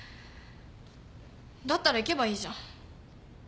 だったら行けばいいじゃん。